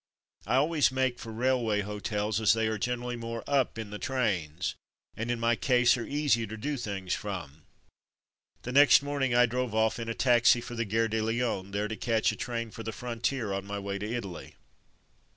I always make for railway hotels as they are generally more "up'' in the trains, and in my case are easier to do things from. The next morning I drove off in a taxi for the Gare de Lyons, there to catch a train for the frontier on my w ay to Italy.